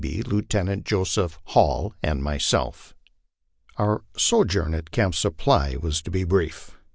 W. Beebe, Lieutenant Joseph Hall, arid myself. Our sojourn at Camp Supply was to be brief.